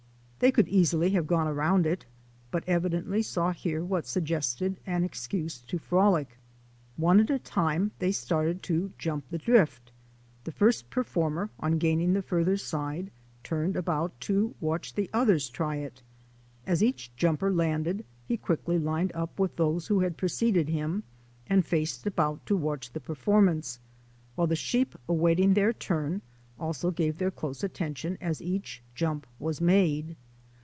They could easily have gone around it, but evidently saw here what suggested an excuse to frolic. One at a time, they started to jump the drift. The first performer, on gaining the farther side, turned about to watch the others try it. As each jumper landed he quickly lined up with those who had preceded him and faced about to watch the performance, while the sheep awaiting their turn also gave their close attention as each jump was made.